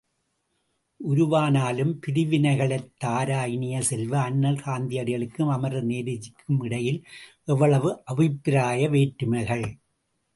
உருவானாலும் பிரிவினைகளைத் தாரா இனிய செல்வ, அண்ணல் காந்தியடிகளுக்கும் அமரர் நேருஜிக்கும் இடையில் எவ்வளவு அபிப்பிராய வேற்றுமைகள்!